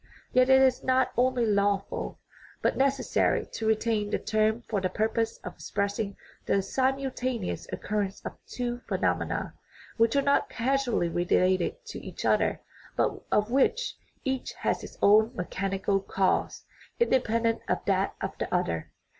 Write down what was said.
Yet it is not only lawful, but necessary, to retain the term for the purpose of expressing the simultaneous occurrence of two phenomena, which are not causally related to each other, but of which each has its own mechanical cause, independent of that of the other.